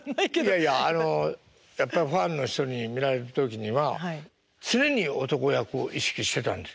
いやいやあのやっぱりファンの人に見られる時には常に男役を意識してたんでしょ？